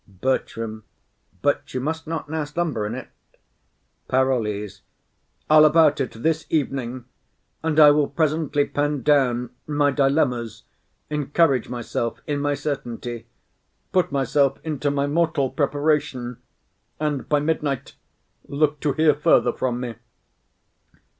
BERTRAM. But you must not now slumber in it. PAROLLES. I'll about it this evening; and I will presently pen down my dilemmas, encourage myself in my certainty, put myself into my mortal preparation; and by midnight look to hear further from me.